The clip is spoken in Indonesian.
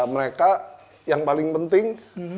mereka yang paling penting